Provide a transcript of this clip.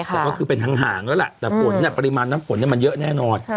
แต่ก็คือเป็นห่างแล้วล่ะแต่ฝนปริมาณน้ำฝนมันเยอะแน่นอน